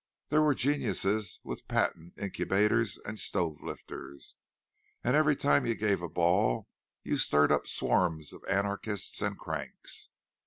There were geniuses with patent incubators and stove lifters, and every time you gave a ball you stirred up swarms of anarchists and cranks.